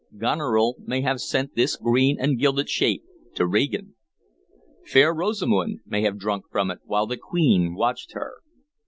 Goneril may have sent this green and gilded shape to Regan. Fair Rosamond may have drunk from it while the Queen watched her.